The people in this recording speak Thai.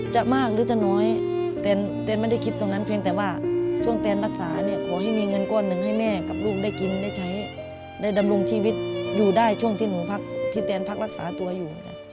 จะมากหรือจะน้อยแต่แนนไม่ได้คิดตรงนั้นเพียงแต่ว่าช่วงแตนรักษาเนี่ยขอให้มีเงินก้อนหนึ่งให้แม่กับลูกได้กินได้ใช้ได้ดำรงชีวิตอยู่ได้ช่วงที่หนูพักที่แตนพักรักษาตัวอยู่